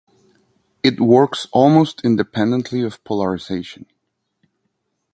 It works almost independently of polarization.